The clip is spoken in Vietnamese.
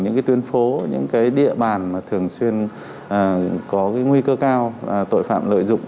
những tuyến phố những địa bàn thường xuyên có nguy cơ cao tội phạm lợi dụng